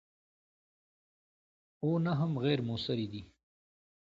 او نه هم غیر موثرې دي.